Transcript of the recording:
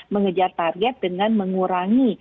mengejar target dengan mengurangi